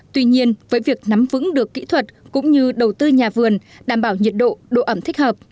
tuy nhiên với việc nắm vững được kỹ thuật cũng như đầu tư nhà vườn đảm bảo nhiệt độ độ ẩm thích hợp